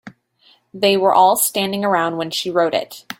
They were all standing around when she wrote it.